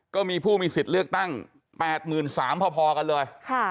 ก็มีผู้มีสิทธิ์เลือกตั้ง๘๓๐๐พอกันเลย